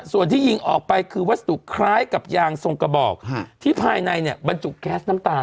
ส่วนที่ยิงออกไปคือวัสดุคล้ายกับยางทรงกระบอกที่ภายในเนี่ยบรรจุแก๊สน้ำตา